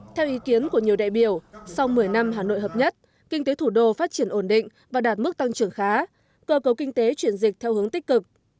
theo ý kiến của nhiều đại biểu sau một mươi năm hà nội hợp nhất kinh tế thủ đô phát triển ổn định và đạt mức tăng trưởng khá cơ cấu kinh tế chuyển dịch theo hướng tích cực